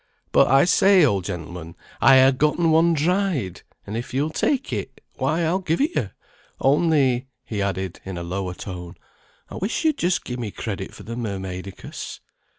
But I say, old gentleman, I ha' gotten one dried, and if you'll take it, why, I'll give it you; only," he added, in a lower tone, "I wish you'd just gie me credit for the Mermaidicus."